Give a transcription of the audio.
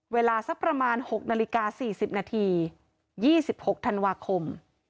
เวลาสักประมาณ๖นาฬิกา๔๐นาที๒๖ธันวาคม